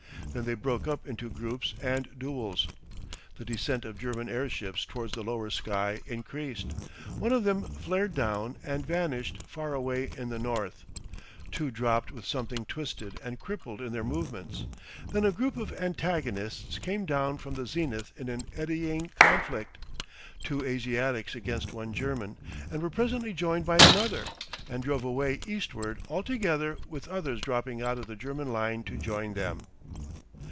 Then they broke up into groups and duels. The descent of German air ships towards the lower sky increased. One of them flared down and vanished far away in the north; two dropped with something twisted and crippled in their movements; then a group of antagonists came down from the zenith in an eddying conflict, two Asiatics against one German, and were presently joined by another, and drove away eastward all together with others dropping out of the German line to join them.